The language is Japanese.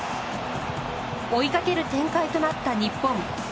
追いかける展開となった日本。